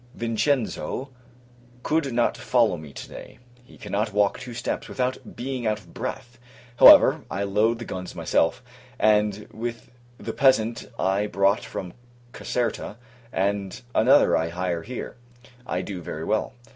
Vincenzo could not follow me to day; he cannot walk two steps, without being out of breath. However, I load the guns myself; and, with the peasant I brought from Caserta, and another I hire here, I do very well.